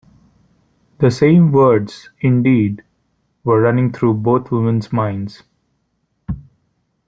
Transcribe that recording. The same words, indeed, were running through both women's minds.